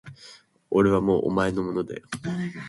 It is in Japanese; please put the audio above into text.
俺はもうお前のものだよ